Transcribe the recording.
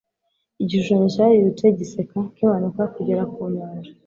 Igishushanyo cyarirutse giseka kimanuka kugera ku nyanja